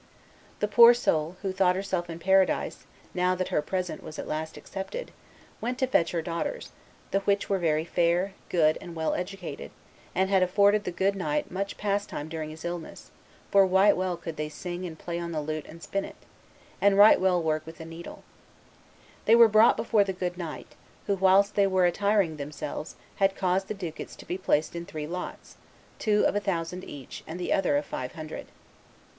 The poor soul, who thought herself in paradise, now that her present was at last accepted, went to fetch her daughters, the which were very fair, good, and well educated, and had afforded the good knight much pastime during his illness, for right well could they sing and play on the lute and spinet, and right well work with the needle. They were brought before the good knight, who, whilst they were attiring themselves, had caused the ducats to be placed in three lots, two of a thousand each, and the other of five hundred.